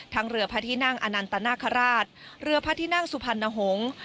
เรือพระที่นั่งอนันตนาคาราชเรือพระที่นั่งสุพรรณหงษ์